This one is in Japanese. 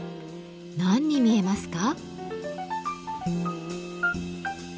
何に見えますか？